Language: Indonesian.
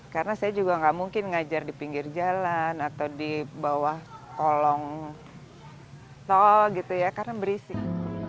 karena saya juga gak mungkin ngajar di pinggir jalan atau di bawah tolong tol gitu ya karena berisik